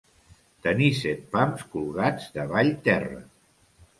Tenir set pams colgats davall terra.